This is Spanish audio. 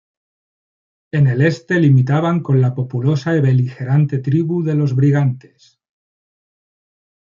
En el este limitaban con la populosa y beligerante tribu de los Brigantes.